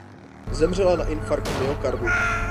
Zemřela na infarkt myokardu.